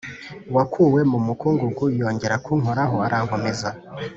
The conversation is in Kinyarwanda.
Wakuwe mu mukungugu yongera kunkoraho arankomeza